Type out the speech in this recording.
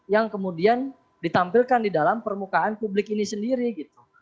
yang kemudian ditampilkan di dalam permukaan publik ini sendiri gitu